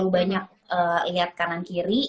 banyak lihat kanan kiri